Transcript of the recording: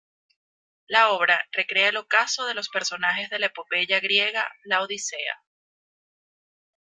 La obra recrea el ocaso de los personajes de la epopeya griega "La Odisea".